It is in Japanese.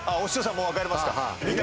もう分かりました？